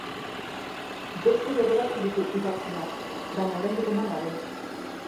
Beste bederatzi ditu idatziak, baina oraindik eman gabe.